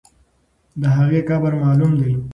د هغې قبر معلوم دی.